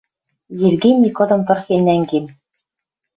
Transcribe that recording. Евгений кыдым тырхен нӓнген